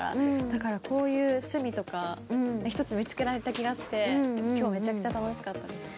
だからこういう趣味とか１つ見つけられた気がして今日めちゃくちゃ楽しかったです。